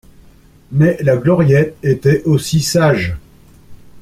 Mais la Gloriette aussi était sage.